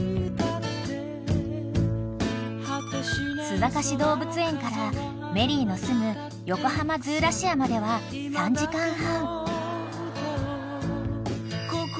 ［須坂市動物園からメリーのすむよこはまズーラシアまでは３時間半］